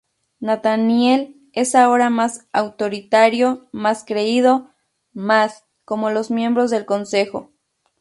Nathaniel es ahora más autoritario, más creído más... como los miembros del consejo.